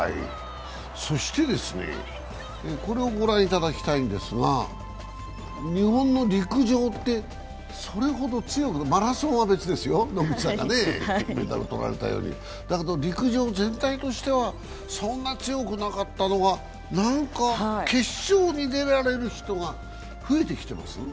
そしてですね、これをご覧いただきたいんですが、日本の陸上って、それほど強くマラソンは別ですよ、野口さんがメダル、とられたようにだけど、陸上全体としてはそんな強くなかったのが、決勝に出られる人が増えてきています。